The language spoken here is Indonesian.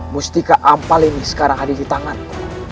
mustika ampal ini sekarang ada di tanganku